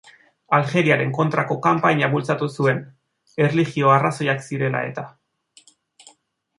Aljeriaren kontrako kanpaina bultzatu zuen, erlijio-arrazoiak zirela-eta.